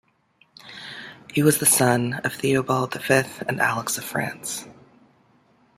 He was the son of Theobald V and Alix of France.